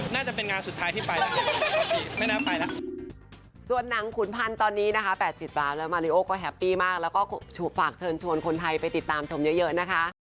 น่าจะเป็นงานสุดท้ายที่ไปไม่น่าไปแล้ว